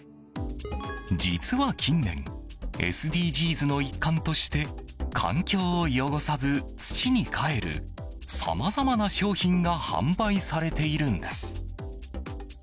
実は、近年ＳＤＧｓの一環として環境を汚さず、土にかえるさまざまな商品が販売されているんです。